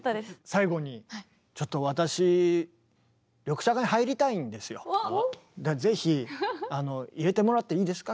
最後にちょっと私是非入れてもらっていいですか？